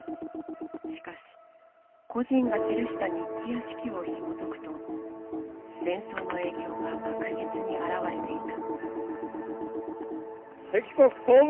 しかし個人が記した日記や手記をひもとくと戦争の影響が確実に表れていた。